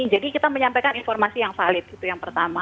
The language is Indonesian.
jadi kita menyampaikan informasi yang valid itu yang pertama